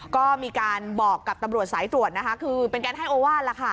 ก็มีการบอกกับตำรวจสายตรวจนะคะคือเป็นการให้โอวาส